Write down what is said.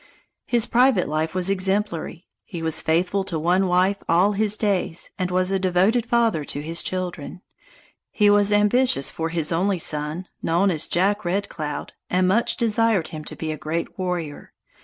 His private life was exemplary. He was faithful to one wife all his days, and was a devoted father to his children. He was ambitious for his only son, known as Jack Red Cloud, and much desired him to be a great warrior.